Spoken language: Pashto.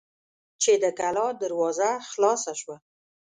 چې د کلا دروازه خلاصه شوه.